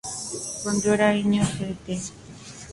Cuando era niño, St.